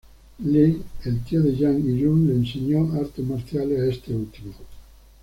Lee, el tío de Yang y Yun le enseñó artes marciales a este último.